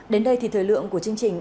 đến đây thì thời lượng của chương trình